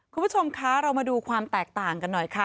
คุณผู้ชมคะเรามาดูความแตกต่างกันหน่อยค่ะ